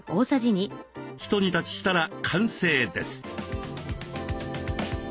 ひと煮立ちしたら完成です。